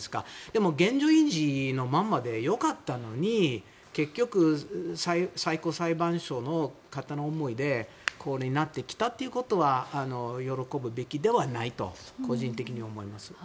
でも、現状維持のままで良かったのに結局、最高裁判所の方の思いでこうなってきたということは喜ぶべきじゃないと個人的には思います。